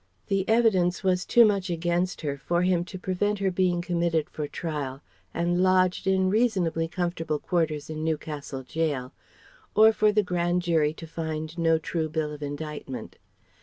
The evidence was too much against her for him to prevent her being committed for trial and lodged in reasonably comfortable quarters in Newcastle jail, or for the Grand Jury to find no true bill of indictment.